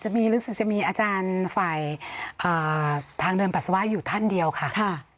อาจารย์ฝ่ายทางเดิมปัสสาวะอยู่ทั่นเดียวค่ะ